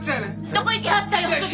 どこ行きはったんや！？